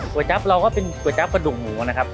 จับเราก็เป็นก๋วยจับกระดูกหมูนะครับ